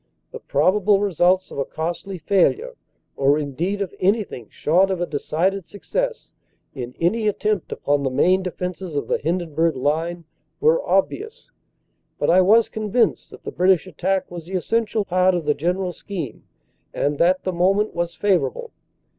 The probable results of a costly failure, or, indeed, of anything short of a decided success, in any attempt upon the main de fenses of the Hindenburg line were obvious; but I was con vinced that the British attack was the essential part of the general scheme and that the moment was favorable.